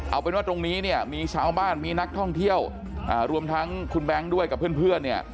เอาเป็นว่าตรงนี้เนี่ยมีชาวบ้านมีนักท่องเที่ยวรวมทั้งคุณแบงค์ด้วยกับเพื่อนเนี่ย